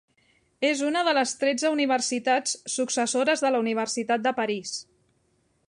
És una de les tretze universitats successores de la Universitat de París.